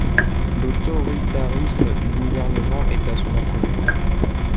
L'autoritarisme du gouvernement est à son apogée.